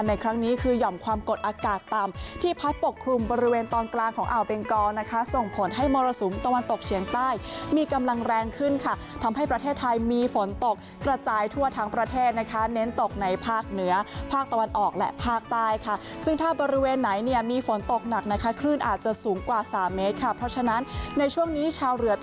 ในครั้งนี้คือหย่อมความกดอากาศต่ำที่พัดปกคลุมบริเวณตอนกลางของอ่าวเบงกอนะคะส่งผลให้มรสุมตะวันตกเฉียงใต้มีกำลังแรงขึ้นค่ะทำให้ประเทศไทยมีฝนตกกระจายทั่วทั้งประเทศนะคะเน้นตกในภาคเหนือภาคตะวันออกและภาคใต้ค่ะซึ่งถ้าบริเวณไหนเนี่ยมีฝนตกหนักนะคะคลื่นอาจจะสูงกว่าสามเมตรค่ะเพราะฉะนั้นในช่วงนี้ชาวเรือต